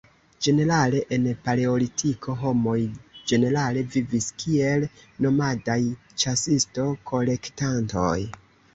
Ĝenerale en Paleolitiko, homoj ĝenerale vivis kiel nomadaj ĉasisto-kolektantoj.